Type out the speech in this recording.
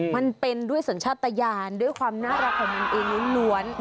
มันเป็นด้วยสัญชาติยานด้วยความน่ารักของมันเองล้วน